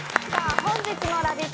本日の「ラヴィット！」